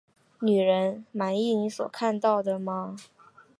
女人，满意你所看到的吗？